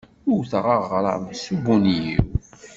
Wteɣ aɣrab s ubunyiw.